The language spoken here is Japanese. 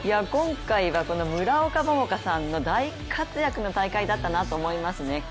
今回は村岡桃佳さんの大活躍の大会だったなと思いますね。